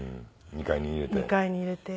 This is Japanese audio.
２階に入れて。